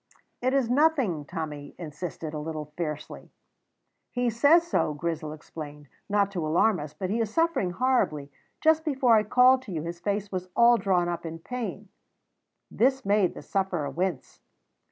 "It is nothing," Tommy insisted, a little fiercely. "He says so," Grizel explained, "not to alarm us. But he is suffering horribly. Just before I called to you his face was all drawn up in pain." This made the sufferer wince.